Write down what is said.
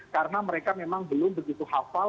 karena mereka memang belum begitu hafal